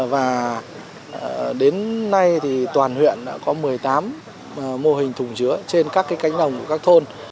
và đến nay thì toàn huyện đã có một mươi tám mô hình thùng chứa trên các cánh đồng của các thôn